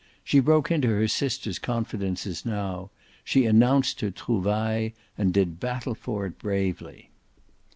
She broke into her sister's confidences now; she announced her trouvaille and did battle for it bravely.